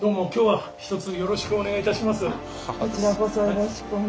こちらこそよろしくお願いいたします。